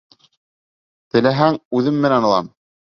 Теләһәң, үҙем менән алам.